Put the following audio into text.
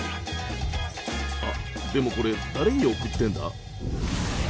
あでもこれ誰に送ってんだ？